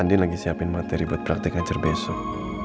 andin lagi siapin materi buat praktek ngajar besok